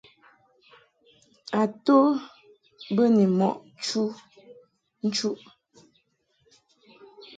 A to bə ni mɔʼ nchuʼ.